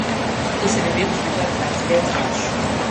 თვისებები აქვს, მეტად გამძლეა წყალში.